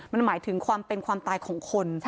มันหมายถึงความเป็นความตายของคน